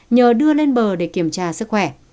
nhờ đưa lên bờ để kiểm tra sức khỏe